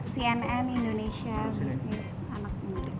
cnn indonesia bisnis anak muda